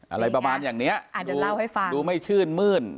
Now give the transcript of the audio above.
อะไรประมาณอย่างเนี้ยอ่าเดี๋ยวเล่าให้ฟังดูไม่ชื่นมื้น